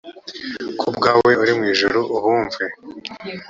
ku bwawe uri mu ijuru ubumve